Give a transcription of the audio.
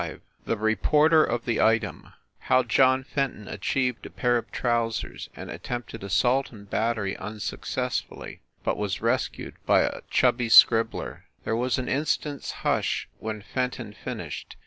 V THE REPORTER OF "THE ITEM" HOW JOHN FENTON ACHIEVED A PAIR OF TROUSERS AND ATTEMPTED ASSAULT AND BATTERY UN SUCCESSFULLY, BUT WAS RESCUED BY A CHUBBY SCRIBBLER THERE was an instant s hush when Fenton fin ished.